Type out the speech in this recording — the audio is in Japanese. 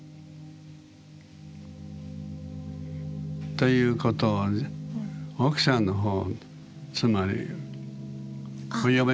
ということを奥さんの方つまりお嫁さんですね。